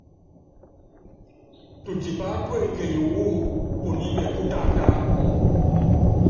Tutipá tuekenyi wu punímɛ pú taatá.